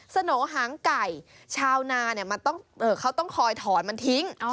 สโนหางไก่ชาวนาเขาต้องคอยถอนมันทิ้ง